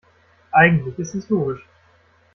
Eigentlich ist es logisch.